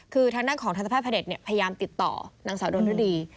คือทางด้านของทันตแพทย์พระเด็จพยายามติดต่อนางสาวดนฤดี